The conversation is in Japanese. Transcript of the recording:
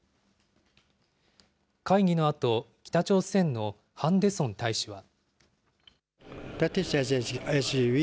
会議のあと、北朝鮮のハン・デソン大使は。